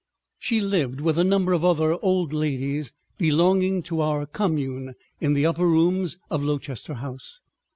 She lived with a number of other old ladies belonging to our commune in the upper rooms of Lowchester House.